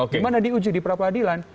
dimana diuji di perapadilan